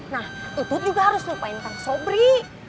nah utut juga harus lupain kang sobri